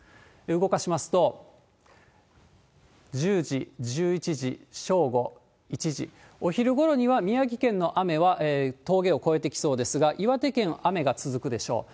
動かしますと、１０時、１１時、正午、１時、お昼ごろには宮城県の雨は峠を越えてきそうですが、岩手県、雨が続くでしょう。